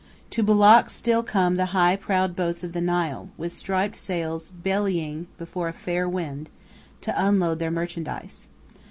To Bulak still come the high prowed boats of the Nile, with striped sails bellying before a fair wind, to unload their merchandise.